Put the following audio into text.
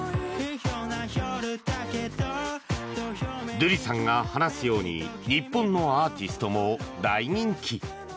ドゥリさんが話すように日本のアーティストも大人気。